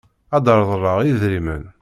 Ad d-reḍleɣ idrimen.